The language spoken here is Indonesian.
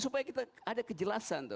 supaya kita ada kejelasan